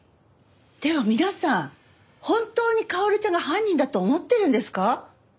でも皆さん本当に薫ちゃんが犯人だと思ってるんですか？